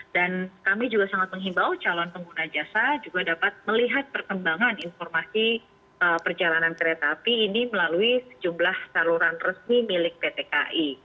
dan kami juga sangat menghibau calon pengguna jasa juga dapat melihat perkembangan informasi perjalanan kereta api ini melalui sejumlah saluran resmi milik pt kai